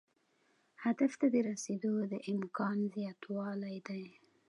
هدف ته د رسیدو د امکان زیاتوالی دی.